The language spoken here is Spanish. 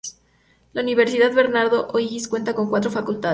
La Universidad Bernardo O'Higgins cuenta con cuatro facultades.